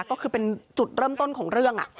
ก็คือเป็นจุดเริ่มต้นของเรื่อง